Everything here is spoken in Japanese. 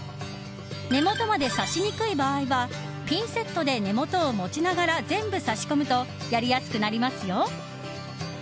根元まで挿しにくい場合はピンセットで根元を持ちながら全部挿し込むとやりやすくなりますよ。